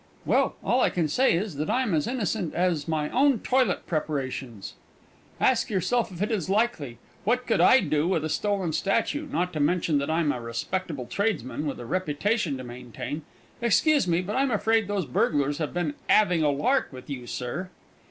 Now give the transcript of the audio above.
"Well, all I can say is, that I'm as innocent as my own toilet preparations. Ask yourself if it is likely. What could I do with a stolen statue not to mention that I'm a respectable tradesman, with a reputation to maintain? Excuse me, but I'm afraid those burglars have been 'aving a lark with you, sir."